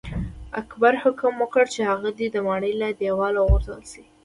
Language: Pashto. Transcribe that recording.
اکبر حکم وکړ چې هغه دې د ماڼۍ له دیواله وغورځول شي.